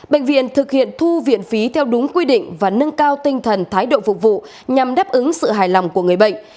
bệnh viện thực hiện thu viện phí theo đúng quy định và nâng cao tinh thần thái độ phục vụ nhằm đáp ứng sự hài lòng của người bệnh